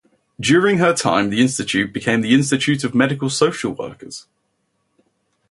During her time the institute became the Institute of Medical Social Workers.